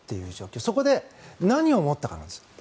そこで何を思ったかなんです。